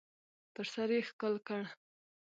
پر سر یې ښکل کړ .